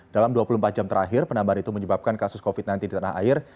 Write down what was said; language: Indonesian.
dalam dua puluh empat jam terakhir penambahan itu menyebabkan kasus covid sembilan belas di tanah air